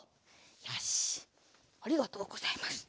よしありがとうございます。